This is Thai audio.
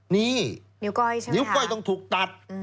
นี่นิ้วก้อยต้องถูกตัด